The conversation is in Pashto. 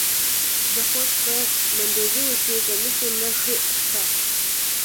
د خوست په مندوزیو کې د مسو نښې شته.